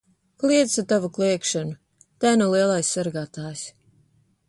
Kliedz tu tavu kliegšanu! Te nu lielais sargātājs!